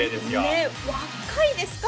ねっ若いですか？